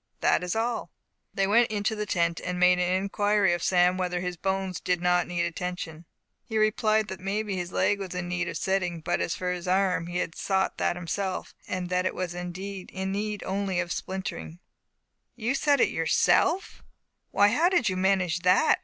That is all." They went into the tent, and made inquiry of Sam whether his bones did not need attention. He replied that maybe his leg was in need of setting, but that as for his arm he had sot that himself, and that it was in need only of splintering. "You set it yourself! Why, how did you manage that?"